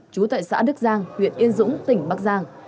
trú tại xã đức giang huyện yên dũng tỉnh bắc giang